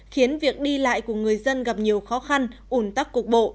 khiến việc đi lại của người dân gặp nhiều khó khăn ủn tắc cục bộ